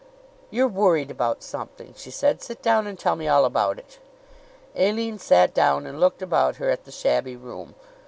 "You're worried about something," she said. "Sit down and tell me all about it." Aline sat down and looked about her at the shabby room.